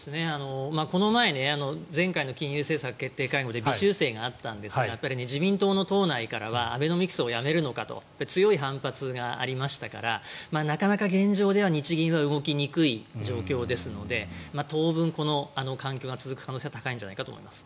この前前回の金融政策決定会合で微修正があったんですが自民党の党内からはアベノミクスをやめるのかと強い反発がありましたからなかなか現状では日銀は動きにくい状況ですので当分、この環境が続く可能性が高いんじゃないかということです。